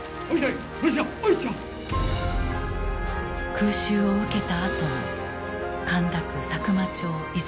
空襲を受けたあとの神田区佐久間町・和泉町の映像。